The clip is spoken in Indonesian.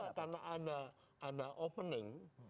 bisa juga karena ada opening